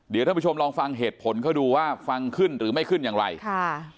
เดี๋ยวท่านผู้ชมลองฟังเหตุผลเขาดูว่าฟังขึ้นหรือไม่ขึ้นอย่างไรค่ะ